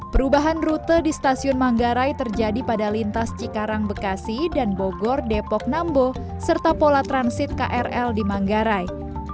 perubahan rute di stasiun manggarai terjadi pada lintas cikarang bekasi dan bogor depok nambo serta pola transit krl di manggarai